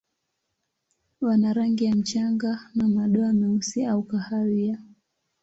Wana rangi ya mchanga na madoa meusi au kahawia.